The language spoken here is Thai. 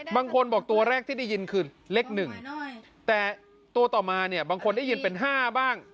บางคนบอกตัวแรกที่ได้ยินคือเลข๑แต่ตัวต่อมาเนี่ยบางคนได้ยินเป็น๕บ้าง